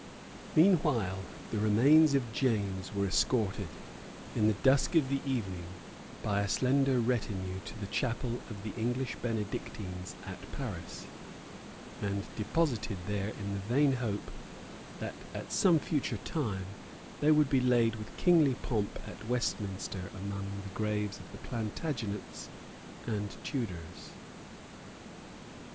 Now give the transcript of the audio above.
Meanwhile the remains of James were escorted, in the dusk of the evening, by a slender retinue to the Chapel of the English Benedictines at Paris, and deposited there in the vain hope that, at some future time, they would be laid with kingly pomp at Westminster among the graves of the Plantagenets and Tudors.